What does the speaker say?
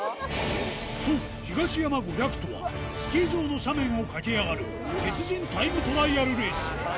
そう、ヒガシヤマ５００とは、スキー場の斜面を駆け上がる、鉄人タイムトライアルレース。